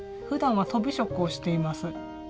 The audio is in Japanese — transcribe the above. ふだんはとび職をしています。